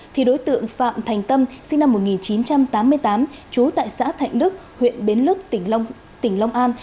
thì đối tượng phạm thành tâm sinh năm một nghìn chín trăm tám mươi tám trú tại xã thạnh đức huyện bến lức tỉnh long an